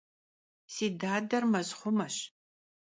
Si dader mezxhumeş.